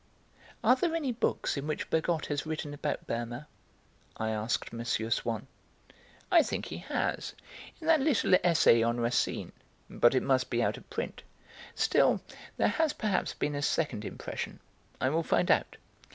"Are there any books in which Bergotte has written about Berma?" I asked M. Swann. "I think he has, in that little essay on Racine, but it must be out of print. Still, there has perhaps been a second impression. I will find out.